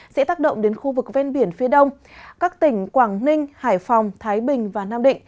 sẽ tác động đến khu vực ven biển phía đông các tỉnh quảng ninh hải phòng thái bình và nam định